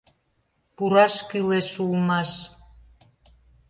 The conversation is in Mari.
Пураш кӱлеш улмаш.